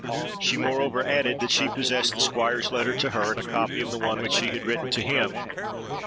She moreover added that she possessed the Squire's letter to her and a copy of the one which she had written to him.